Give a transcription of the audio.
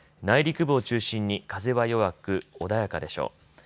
内陸部を中心に風は弱く穏やかでしょう。